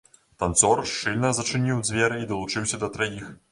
Танцор шчыльна зачыніў дзверы і далучыўся да траіх.